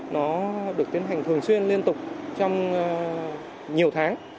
nó được tiến hành thường xuyên liên tục trong nhiều tháng